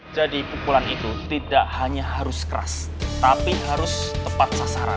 jadi pukulan itu tidak hanya harus keras tapi harus tepat